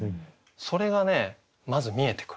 それがねまず見えてくる。